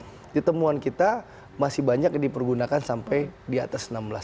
jadi ditemuan kita masih banyak yang dipergunakan sampai di atas enam belas kali